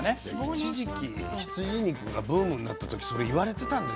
一時期羊肉がブームになった時それいわれてたんですよね。